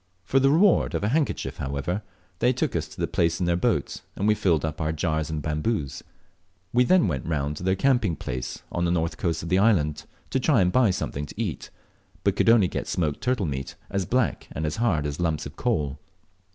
For the reward of a handkerchief, however, they took us to the place in their boat, and we filled up our jars and bamboos. We then went round to their camping place on the north coast of the island to try and buy something to eat, but could only get smoked turtle meat as black and as hard as lumps of coal.